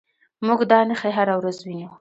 موږ دا نښې هره ورځ وینو.